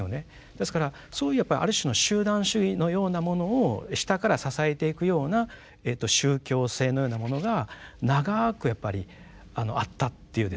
ですからそういうやっぱある種の集団主義のようなものを下から支えていくような宗教性のようなものが長くやっぱりあったっていうですね